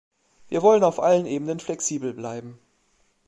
Wir wollen auf allen Ebenen flexibel bleiben.